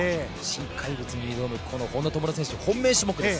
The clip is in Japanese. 新怪物に挑む本多灯選手の本命種目です。